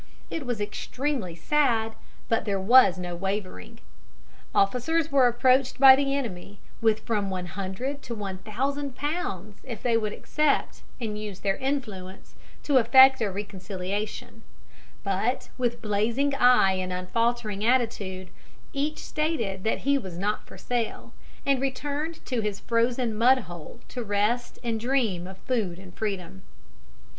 It was extremely sad; but there was no wavering. Officers were approached by the enemy with from one hundred to one thousand pounds if they would accept and use their influence to effect a reconciliation; but, with blazing eye and unfaltering attitude, each stated that he was not for sale, and returned to his frozen mud hole to rest and dream of food and freedom.